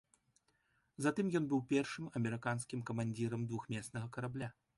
Затым ён быў першым амерыканскім камандзірам двухмеснага карабля.